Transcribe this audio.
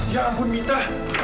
ya ampun mita